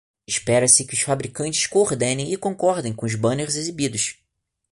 Espera-se que os fabricantes coordenem e concordem com os banners exibidos.